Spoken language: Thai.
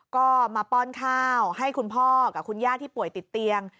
ก็มาป้อนข้าวให้คุณพ่อกับคุณย่าที่ป่วยติดเตียง